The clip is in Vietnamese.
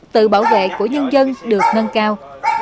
tự bảo vệ của nhân dân được nâng cao